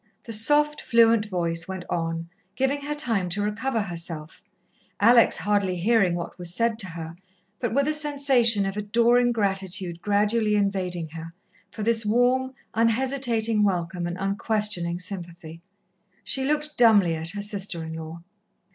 The soft, fluent voice went on, giving her time to recover herself, Alex hardly hearing what was said to her, but with a sensation of adoring gratitude gradually invading her, for this warm, unhesitating welcome and unquestioning sympathy. She looked dumbly at her sister in law.